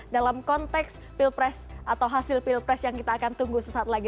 dalam konteks pilpres atau hasil pilpres yang kita akan tunggu sesaat lagi